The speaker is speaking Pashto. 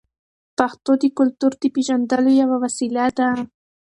پښتو د کلتور د پیژندلو یوه وسیله ده.